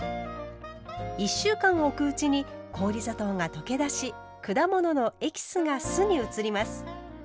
１週間おくうちに氷砂糖が溶け出し果物のエキスが酢に移ります。